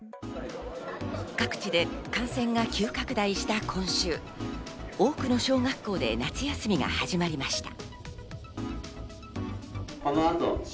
感染が急拡大した今週、多くの小学校で夏休みが始まりました。